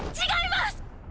違います！！